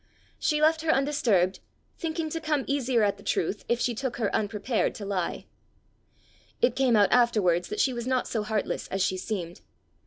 She left her undisturbed, thinking to come easier at the truth if she took her unprepared to lie. It came out afterwards that she was not so heartless as she seemed.